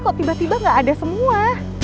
kok tiba tiba gak ada semua